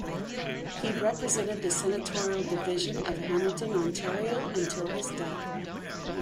He represented the senatorial division of Hamilton, Ontario, until his death.